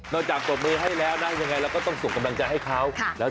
จากปรบมือให้แล้วนะยังไงเราก็ต้องส่งกำลังใจให้เขา